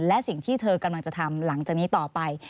และสิ่งที่เธอกำลังจะทำหลังจากนี้ต่อไป